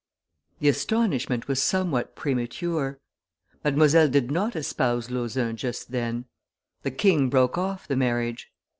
The astonishment was somewhat premature; Mademoiselle did not espouse Lauzun just then, the king broke off the marriage.